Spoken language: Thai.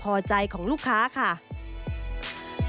เป็นอย่างไรนั้นติดตามจากรายงานของคุณอัญชาฬีฟรีมั่วครับ